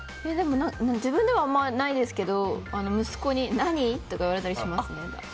自分ではあまりないですけど息子に、何？とか言われたりしますね。